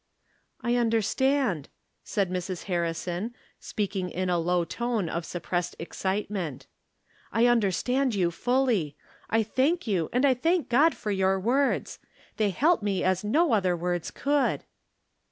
" I understand," said Mrs. Harrison, speaking in a low tone of suppressed excitement. " I un derstand you fully. I thank you, and I thank God for your words. They help me as no other words could."